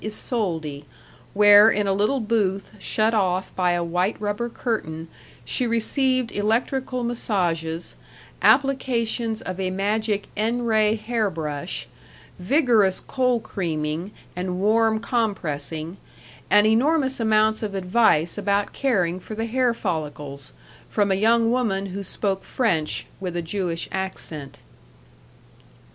Isoldi, where in a little booth shut off by a white rubber curtain, she received electrical massages, applications of a magic N ray hair brush, vigorous cold creaming and warm compressing, and enormous amounts of advice about caring for the hair follicles, from a young woman who spoke French with a Jewish accent.